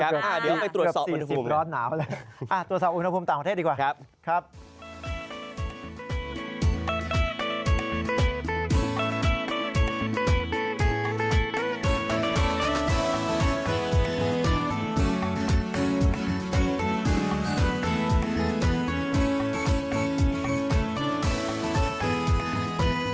ครับเดี๋ยวไปตรวจสอบอุณหภูมิได้หรือเปล่านะครับเกือบ๔๐ร้อนหนาวเลย